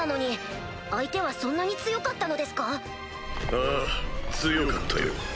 ああ強かったよ。